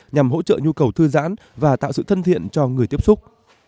nhằm hỗ trợ nhu cầu thư giãn và tạo sự thân thiện cho người tiếp xúc